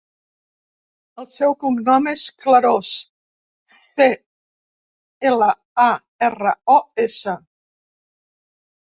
El seu cognom és Claros: ce, ela, a, erra, o, essa.